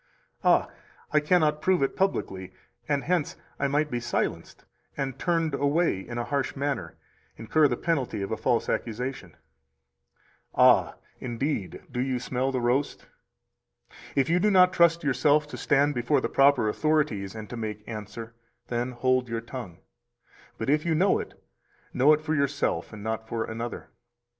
Ah, I cannot prove it publicly, and hence I might be silenced and turned away in a harsh manner [incur the penalty of a false accusation]. "Ah, indeed, do you smell the roast?" If you do not trust yourself to stand before the proper authorities and to make answer, then hold your tongue. But if you know it, know it for yourself and not for another.